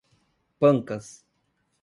Pancas